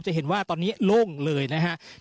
จะเห็นว่าตอนนี้โล่งเลยนะครับ